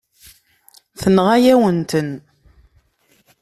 Tenɣa-yawen-ten.